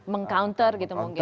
meng counter gitu mungkin